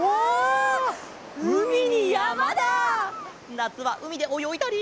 なつはうみでおよいだり。